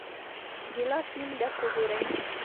ګیلاس نیم ډک وګورئ.